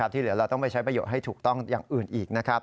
ที่เหลือเราต้องไปใช้ประโยชน์ให้ถูกต้องอย่างอื่นอีกนะครับ